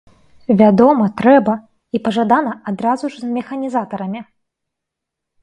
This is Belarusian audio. Вядома, трэба, і пажадана адразу з механізатарамі!